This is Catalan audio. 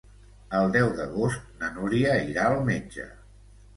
El deu d'agost na Núria irà al metge.